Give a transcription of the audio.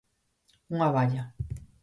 Unha valla.